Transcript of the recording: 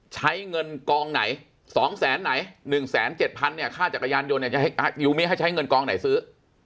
ใช้เงินกองไหนสองแสนไหนหนึ่งแสนเจ็ดพันเนี่ยค่าจักรยานยนต์เนี่ยยูมิให้ใช้เงินกองไหนซื้อ